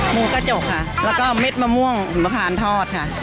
หมูกระจกค่ะแล้วก็เม็ดมะม่วงหุมพานทอดค่ะ